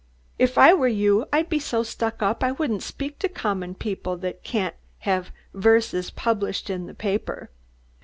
If I were you I'd be so stuck up I wouldn't speak to common people that can't have verses published in the papah."